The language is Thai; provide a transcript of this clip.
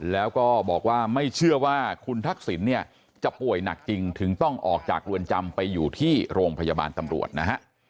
แล้วก็บอกว่าไม่เชื่อว่าคุณทักษิณเนี่ยจะป่วยหนักจริงถึงต้องออกจากเรือนจำไปอยู่ที่โรงพยาบาลตำรวจนะฮะ